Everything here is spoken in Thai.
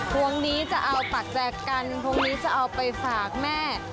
วงนี้จะเอาปากแจกกันพรุ่งนี้จะเอาไปฝากแม่